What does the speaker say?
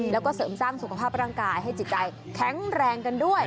แล้วก็เสริมสร้างสุขภาพร่างกายให้จิตใจแข็งแรงกันด้วย